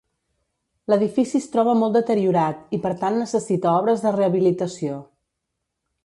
L'edifici es troba molt deteriorat i per tant necessita obres de rehabilitació.